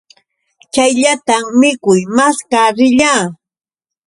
Chayllatam mikuy maskaa riyaa.